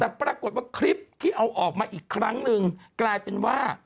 แต่ปรากฏว่าคลิปที่เอาออกมาอีกครั้งหนึ่งกลายเป็นว่า